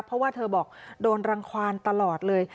เพราะว่าเธอบอกโดนรังความตลอดเลย